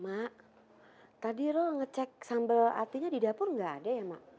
mak tadi lo ngecek sambal atinya di dapur gak ada ya mak